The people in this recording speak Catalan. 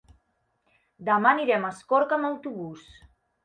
Demà anirem a Escorca amb autobús.